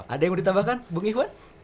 ada yang mau ditambahkan bung ikhwan